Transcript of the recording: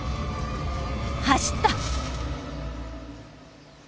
走った！